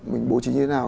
mình bố trí như thế nào